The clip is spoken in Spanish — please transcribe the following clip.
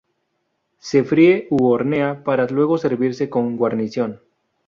Se fríe u hornea para luego servirse con guarnición.